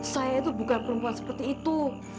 saya itu bukan perempuan seperti itu